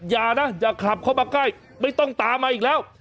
อย่านะอย่าขับเข้ามาใกล้ไม่ต้องตามมาอีกแล้ว